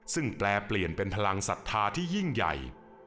ซึ่งแปลเปลี่ยนเป็นพลังศรัทธาที่ยิ่งใหญ่